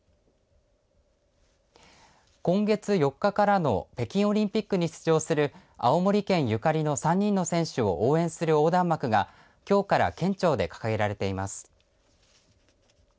今月４日からの北京オリンピックに出場する青森県ゆかりの３人の選手を応援する横断幕が、きょうから県庁で掲げられています。